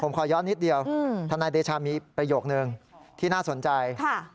ผมขอย้อนนิดเดียวทนายเดชามีประโยคนึงที่น่าสนใจ